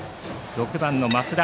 ６番の増田